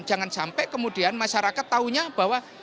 jangan sampai kemudian masyarakat tahunya bahwa